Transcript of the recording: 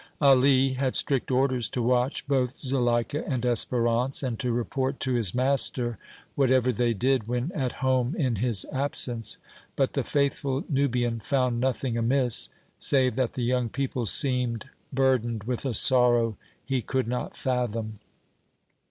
Ali had strict orders to watch both Zuleika and Espérance, and to report to his master whatever they did when at home in his absence, but the faithful Nubian found nothing amiss, save that the young people seemed burdened with a sorrow he could not fathom.